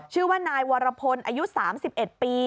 ชื่อว่านายวรพลอายุ๓๑ปี